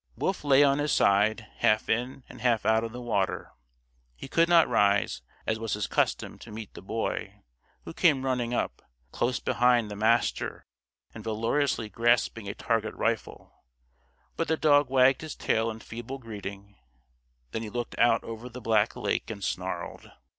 Wolf lay on his side, half in and half out of the water. He could not rise, as was his custom, to meet the Boy, who came running up, close behind the Master and valorously grasping a target rifle; but the dog wagged his tail in feeble greeting, then he looked out over the black lake, and snarled.